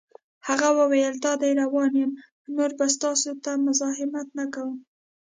هغه وویل: دادی روان یم، نور به ستاسو ته مزاحمت نه کوم.